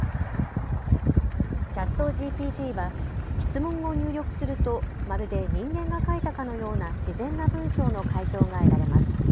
ＣｈａｔＧＰＴは質問を入力するとまるで人間が書いたかのような自然な文章の回答が得られます。